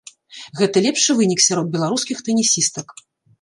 Гэта лепшы вынік сярод беларускіх тэнісістак.